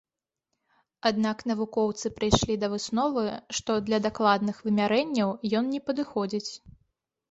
Аднак навукоўцы прыйшлі да высновы, што для дакладных вымярэнняў ён не падыходзіць.